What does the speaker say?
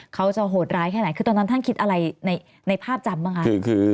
เขาจะโหดร้ายแค่ไหนคือตอนนั้นท่านคิดอะไรในภาพจำบ้างคะ